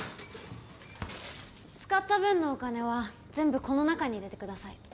使った分のお金は全部この中に入れてください。